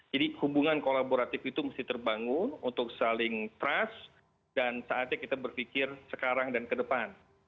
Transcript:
jadi hubungan kolaboratif itu mesti terbangun untuk saling trust dan saatnya kita berpikir sekarang dan ke depan